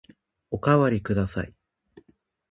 おかわりください。